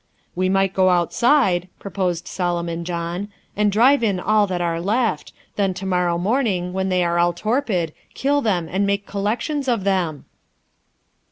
"We might go outside," proposed Solomon John, "and drive in all that are left. Then to morrow morning, when they are all torpid, kill them and make collections of them."